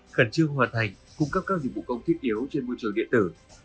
khẩn trương hoàn thành cung cấp các dịch vụ công thiết yếu trên môi trường điện tử